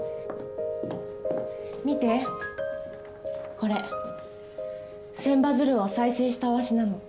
これ千羽鶴を再生した和紙なの。